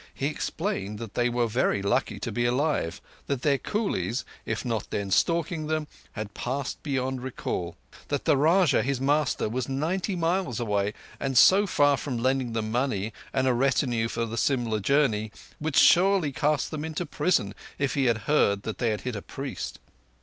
He explained that they were very lucky to be alive; that their coolies, if not then stalking them, had passed beyond recall; that the Rajah, his master, was ninety miles away, and, so far from lending them money and a retinue for the Simla journey, would surely cast them into prison if he heard that they had hit a priest.